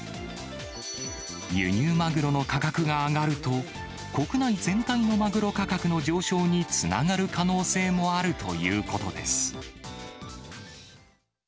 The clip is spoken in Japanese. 輸入マグロの価格が上がると、国内全体のマグロ価格の上昇につながる可能性もあるということです。